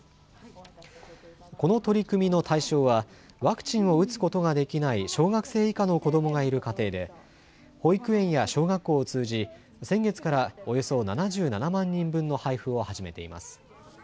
この取り組みの対象はワクチンを打つことができない小学生以下の子どもがいる家庭で保育園や小学校を通じ先月からおよそ７７万人分の配布を始めています。